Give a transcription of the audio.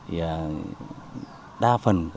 thì đa phần các tác giả